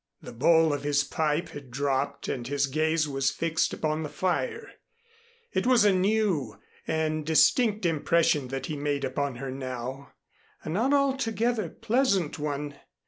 The bowl of his pipe had dropped and his gaze was fixed upon the fire. It was a new and distinct impression that he made upon her now a not altogether pleasant one.